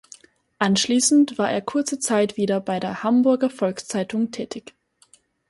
Anschließend war er kurze Zeit wieder bei der "Hamburger Volkszeitung" tätig.